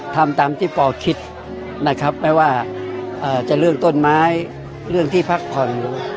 ทำตามที่ปอคิดนะครับไม่ว่าจะเรื่องต้นไม้เรื่องที่พักผ่อน